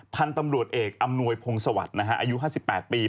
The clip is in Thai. พันธุ์ตำรวจเอกอำนวยพงศวรรค์อายุ๕๘ปี